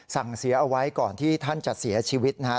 สั่งเสียเอาไว้ก่อนที่ท่านจะเสียชีวิตนะครับ